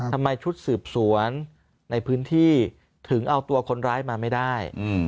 ทำไมชุดสืบสวนในพื้นที่ถึงเอาตัวคนร้ายมาไม่ได้